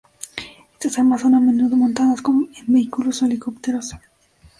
Estas armas son a menudo montadas en vehículos o helicópteros.